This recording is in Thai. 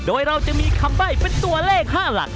โดยเราจะมีคำใบ้เป็นตัวเลข๕หลัก